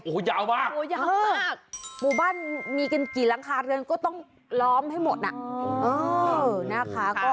โอ้โหยาวมากโอ้โหยาวมากหมู่บ้านมีกันกี่หลังคาเรือนก็ต้องล้อมให้หมดอ่ะนะคะ